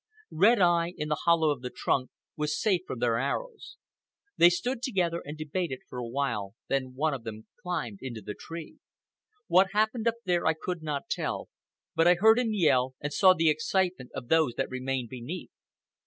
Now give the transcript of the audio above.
Red Eye, in the hollow of the trunk, was safe from their arrows. They stood together and debated for a while, then one of them climbed into the tree. What happened up there I could not tell, but I heard him yell and saw the excitement of those that remained beneath.